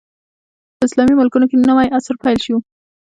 په اسلامي ملکونو کې نوی عصر پیل شو.